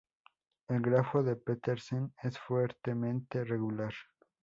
El grafo de Petersen es fuertemente regular.